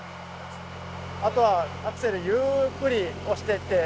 あとはアクセルゆーっくり押してって。